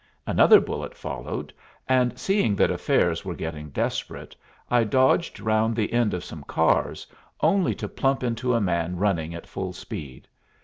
Another bullet followed, and, seeing that affairs were getting desperate, I dodged round the end of some cars, only to plump into a man running at full speed.